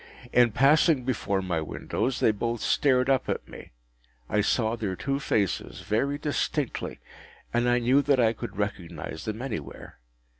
In passing before my windows, they both stared up at me. I saw their two faces very distinctly, and I knew that I could recognise them anywhere.